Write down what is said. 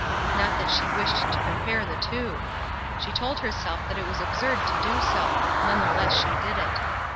Not that she wished to compare the two! She told herself that it was absurd to do so; none the less she did it.